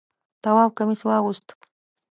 تواب کمیس واغوست.